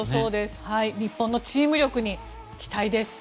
日本のチーム力に期待です。